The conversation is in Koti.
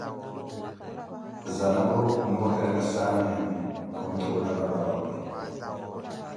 Zanapo khumpwekerela saneene, kunthuula para owawe.